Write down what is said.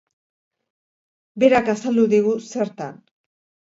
Berak azaldu digu zertan.